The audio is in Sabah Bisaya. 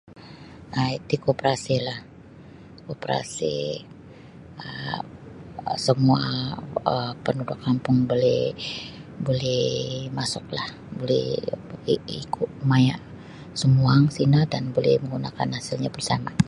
um Iti kooperasilah kooperasi um samua um penduduk kampung buli buli masuklah buli ikut maya' sumuang sino dan buli manggunakan hasilnyo bersama'.